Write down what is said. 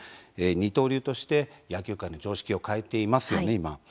二刀流として野球界の常識を変えていますよね、今。